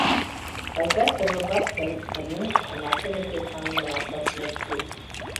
Բայց այդ տրորված բնում մնացել էր կենդանի մնացած մեկ ձու։